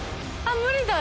あっ無理だ！